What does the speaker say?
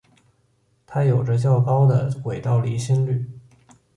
它有着较高的轨道离心率。